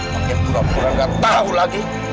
paket pura pura gak tau lagi